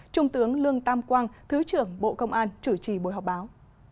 trung tướng lương tam quang thứ trưởng bộ công an chủ trì buổi họp báo